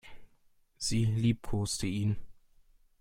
Sie liebkoste ihn.